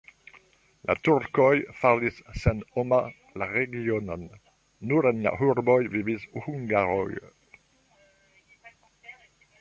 La turkoj faris senhoma la regionon, nur en la urboj vivis hungaroj.